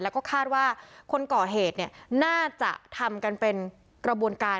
แล้วก็คาดว่าคนก่อเหตุน่าจะทำกันเป็นกระบวนการ